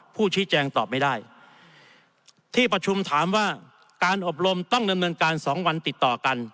ผู้ชี้แจงตอบไม่ได้ที่ประชุมถามว่าการอบรมต้องดำเนินการสองวันติดต่อกัน